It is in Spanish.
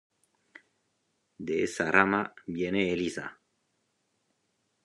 De esa rama viene Elisa.